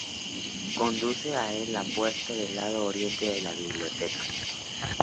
Conduce a el la puerta de lado oriente de la biblioteca.